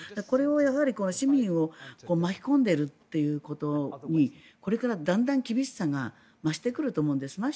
これを、市民を巻き込んでいるということにこれからだんだん厳しさが増してくると思うんです。